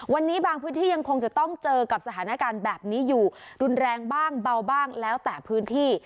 วันนี้บางพื้นที่ยังคงจะต้องเจอกับสถานการณ์แบบนี้อยู่รุนแรงบ้างเบาบ้างแล้วแต่พื้นที่